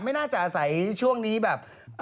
ไม่น่าจะอาศัยช่วงนี้แบบ